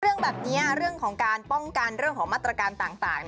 เรื่องแบบนี้เรื่องของการป้องกันเรื่องของมาตรการต่าง